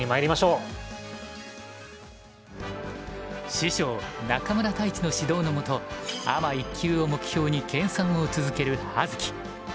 師匠中村太地の指導の下アマ１級を目標に研さんを続ける葉月。